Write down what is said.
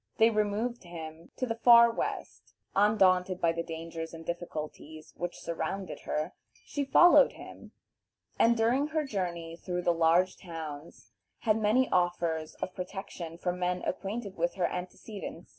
They removed him to the far West. Undaunted by the dangers and difficulties which surrounded her, she followed him, and during her journey through the large towns had many offers of protection from men acquainted with her antecedents.